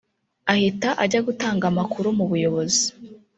ahita ajya gutanga amakuru mu buyobozi